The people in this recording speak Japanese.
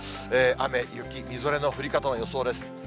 雨、雪、みぞれの降り方の予想です。